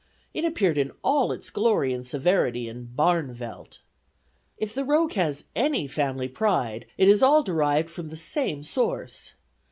It appeared in all its glory and severity in 'Barneveldt.' "If the rogue has any family pride, it is all derived from the same source.